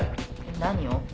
「何を？」